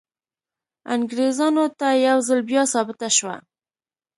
انګریزانو ته یو ځل بیا ثابته شوه.